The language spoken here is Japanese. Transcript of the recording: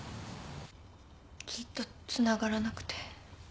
ずっとつながらなくて。